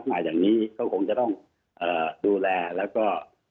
มาอย่างนี้ก็คงจะต้องดูแลแล้วก็